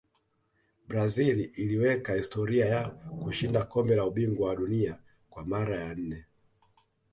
brazil iliweka historia ya kushinda kombe la ubingwa wa dunia kwa mara ya nne